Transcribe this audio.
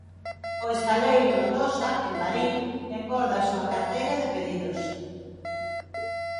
O estaleiro Nodosa, en Marín, engorda a súa carteira de pedidos.